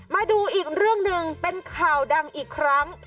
มาดูอีกเรื่องหนึ่งเป็นข่าวดังอีกครั้ง